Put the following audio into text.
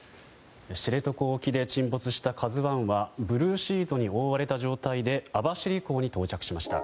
知床沖で沈没した「ＫＡＺＵ１」はブルーシートに覆われた状態で網走港に到着しました。